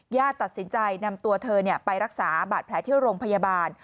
ตัดสินใจนำตัวเธอไปรักษาบาดแผลที่โรงพยาบาล